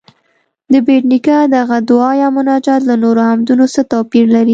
د بېټ نیکه دغه دعا یا مناجات له نورو حمدونو څه توپیر لري؟